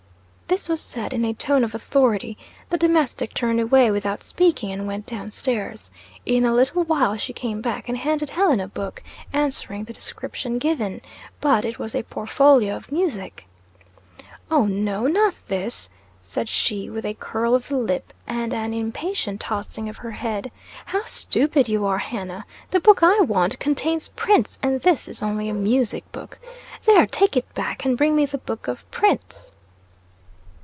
This was said in a tone of authority. The domestic turned away without speaking and went down stairs. In a little while she came back, and handed Helen a book, answering the description given. But it was a portfolio of music. "O no! Not this!" said she, with a curl of the lip, and an impatient tossing of her head. "How stupid you are, Hannah! The book I want, contains prints, and this is only a music book! There! Take it back, and bring me the book of prints."